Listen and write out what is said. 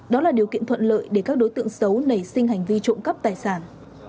đó là điều kiện thuận lợi để các đối tượng xấu nảy sinh hành vi trộm cắp tài sản